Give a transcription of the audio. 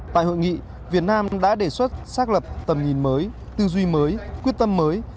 tại hội nghị việt nam đã đề xuất xác lập tầm nhìn mới tư duy mới quyết tâm mới